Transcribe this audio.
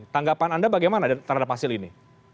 tanggapan anda bagaimana terhadap hasil ini